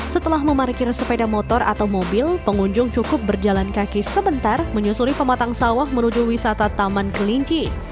setelah memarkir sepeda motor atau mobil pengunjung cukup berjalan kaki sebentar menyusuri pematang sawah menuju wisata taman kelinci